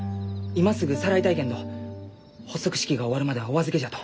今すぐさらいたいけんど発足式が終わるまではお預けじゃと。